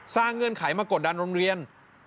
เงื่อนไขมากดดันโรงเรียน